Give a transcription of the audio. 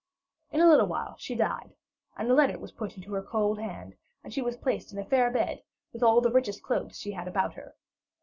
In a little while she died, and a letter was put into her cold hand, and she was placed in a fair bed, with all the richest clothes she had about her.